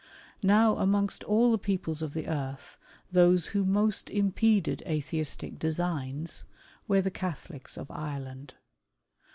Now amongst all the peoples of the earth, those who most impeded Atheistic designs, were the Catholics of Ireland.